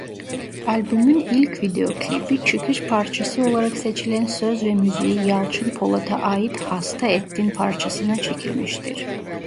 Albümün ilk video klibi çıkış parçası olarak seçilen söz ve müziği Yalçın Polat'a ait "Hasta Ettin" parçasına çekilmiştir.